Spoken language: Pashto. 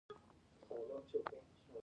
ناروغۍ به کمې شي؟